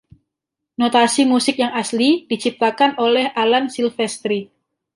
Notasi musik yang asli diciptakan oleh Alan Silvestri.